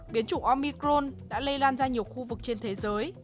biến chủng omicron đã lây lan ra nhiều khu vực trên thế giới